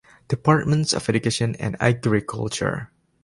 Departments of Education and Agriculture.